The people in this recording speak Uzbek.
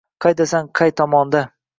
Qaydasan, qay tomonda